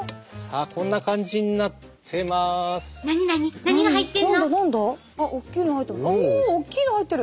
あっおっきいの入ってる。